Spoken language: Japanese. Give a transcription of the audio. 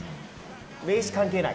名刺、関係ない。